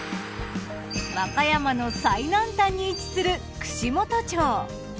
和歌山の最南端に位置する串本町。